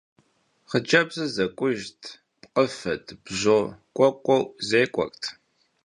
Хъыджэбзыр зэкӀужт, пкъыфӀэт, бжьо кӀуэкӀэу зекӀуэрт.